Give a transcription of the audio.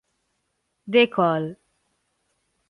De Col